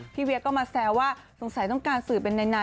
พี่เวียกก็มาแซว่าสงสัยต้องการสื่อเป็นไหน